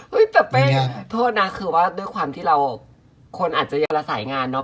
แต่เป้โทษนะคือว่าด้วยความที่เราคนอาจจะยังละสายงานเนาะ